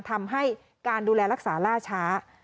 ทำให้การดูแลรักษาล่าช้า